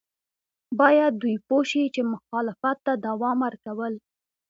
باید دوی پوه شي چې مخالفت ته دوام ورکول.